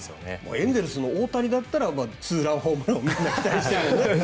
エンゼルスの大谷だったらツーランホームランをみんな期待しているよね。